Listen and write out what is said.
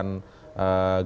nanti untuk memberikan